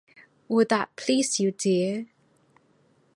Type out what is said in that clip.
Will that please you, dear?